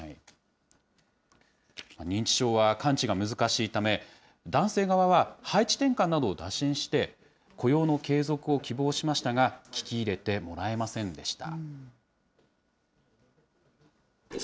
認知症は完治が難しいため、男性側は、配置転換などを打診して、雇用の継続を希望しましたが、聞き入れてもらえませんでした。